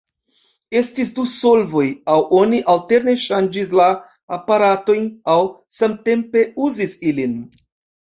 Estis du solvoj, aŭ oni alterne ŝanĝis la aparatojn, aŭ samtempe uzis ilin.